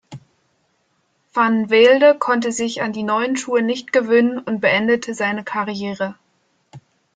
Van Velde konnte sich an die neuen Schuhe nicht gewöhnen und beendete seine Karriere.